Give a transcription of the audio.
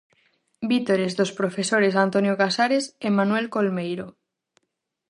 Vítores dos profesores Antonio Casares e Manuel Colmeiro.